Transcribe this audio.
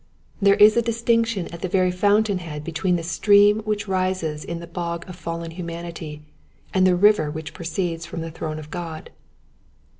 There is a distinction at the very fountain head between the stream which rises in the bog of fallen humanity, and the river which proceeds from the throne of God.